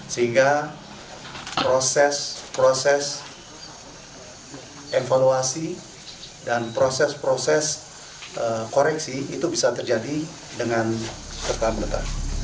sehingga proses proses evaluasi dan proses proses koreksi itu bisa terjadi dengan pertama